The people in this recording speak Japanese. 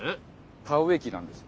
田植え機なんです。